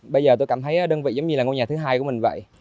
bây giờ tôi cảm thấy đơn vị giống như là ngôi nhà thứ hai của mình vậy